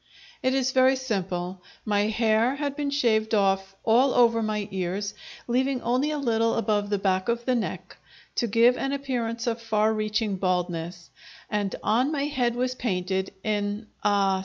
It is very simple. My hair had been shaved off, all over my ears, leaving only a little above the back of the neck, to give an appearance of far reaching baldness, and on my head was painted, in ah!